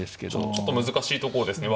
ちょっと難しいところですね。